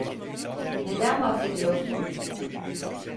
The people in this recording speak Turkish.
Neden bahsediyorsun?